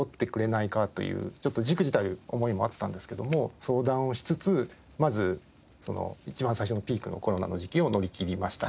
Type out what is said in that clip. ちょっと忸怩たる思いもあったんですけども相談をしつつまずその一番最初のピークのコロナの時期を乗り切りました。